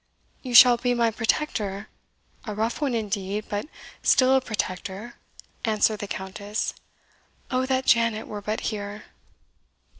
"You shall be my protector a rough one indeed but still a protector," answered the Countess. "Oh that Janet were but here!"